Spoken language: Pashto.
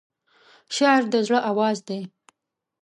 شعر د زړه آواز دی.